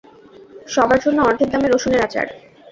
সবার জন্য অর্ধেক দামে রসুনের আচার।